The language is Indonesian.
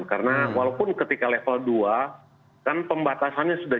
karena walaupun ketika level dua kan pembatasannya sudah jatuh